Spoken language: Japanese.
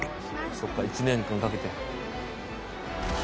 そっか１年間かけて。